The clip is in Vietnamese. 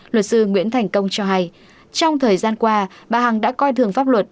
luật sư nguyễn thành công cho hay trong thời gian qua bà hằng đã coi thường pháp luật